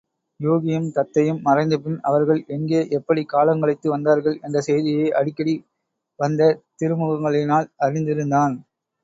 யூகியும் தத்தையும் மறைந்தபின், அவர்கள் எங்கே எப்படிக் காலங்கழித்து வந்தார்கள்? என்ற செய்தியை அடிக்கடி வந்த திருமுகங்களினால் அறிந்திருந்தான்.